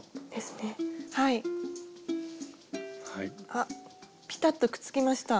あっぴたっとくっつきました。